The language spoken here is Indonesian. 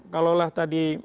kalau lah tadi